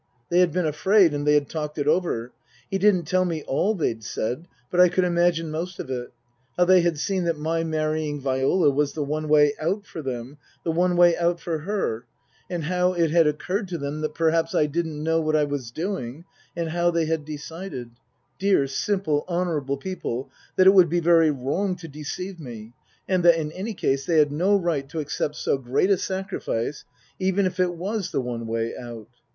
They had been afraid, and they had talked it over. He didn't tell me all they'd said, but I could imagine most of it : how they had seen that my marrying Viola was the one way out for them, the one way out for her, and how it had occurred to them that perhaps I didn't know what I was doing, and how they had decided dear, simple, honourable people that it would be very wrong to deceive me, and that in any case they had no right to accept so great a sacrifice, even if it was the one way out.